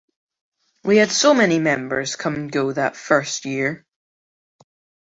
We had so many members come and go that first year.